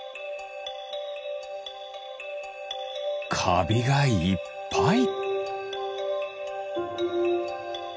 かびがいっぱい。